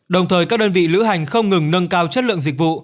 đồng thời các đơn vị lữ hành không ngừng nâng cao chất lượng dịch vụ